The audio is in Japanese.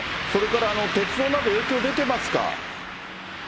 それから鉄道など、影響出てますか？